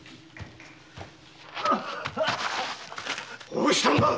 どうしたのだ！？